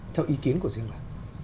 theo ý kiến của riêng bà